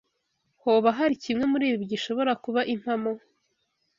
Hoba hari kimwe muribi gishobora kuba impamo?